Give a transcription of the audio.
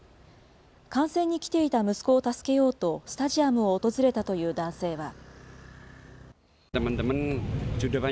観戦に来ていた息子を助けようと、スタジアムを訪れたという男性は。